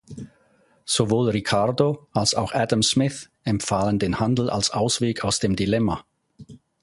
Sowohl Ricardo als auch Adam Smith empfahlen den Handel als Ausweg aus dem Dilemma.